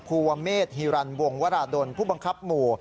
ภูวะเมษฮิรันวงวราดลผู้บังคับหมู่